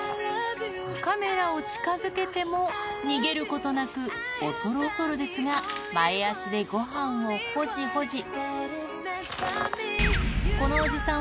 カメラを近づけても逃げることなく恐る恐るですが前足でごはんをほじほじ